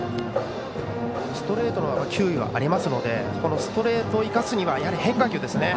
ストレートの球威はありますのでストレートを生かすにはやはり変化球ですね。